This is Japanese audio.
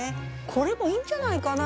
これもいいんじゃないかな？